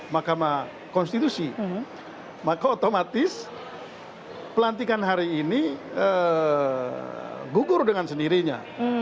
makamah konstitusi maka otomatis pelantikan hari ini gugur dengan sendirinya